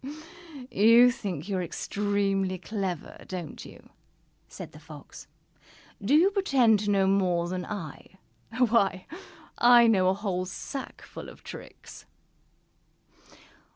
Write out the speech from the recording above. "You think you are extremely clever, don't you?" said the Fox. "Do you pretend to know more than I? Why, I know a whole sackful of tricks!"